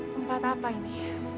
tempat apa ini